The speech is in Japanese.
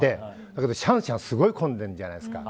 だけど、シャンシャンすごい混んでるじゃないですか。